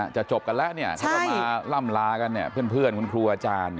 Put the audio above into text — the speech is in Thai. จะจบกันแล้วมาล่ำลากันเพื่อนครูอาจารย์